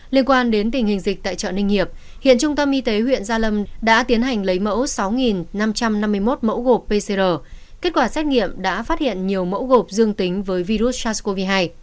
liên quan đến tình hình dịch tại chợ ninh hiệp hiện trung tâm y tế huyện gia lâm đã tiến hành lấy mẫu sáu năm trăm năm mươi một mẫu gộp pcr kết quả xét nghiệm đã phát hiện nhiều mẫu gộp dương tính với virus sars cov hai